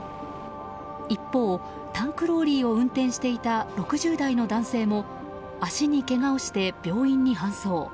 一方、タンクローリーを運転していた６０代の男性も足にけがをして病院に搬送。